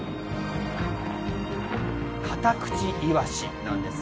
カタクチイワシなんです。